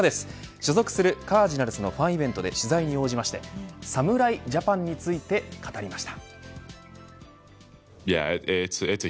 所属するカージナルスのファンイベントで取材に応じて侍ジャパンについて語りました。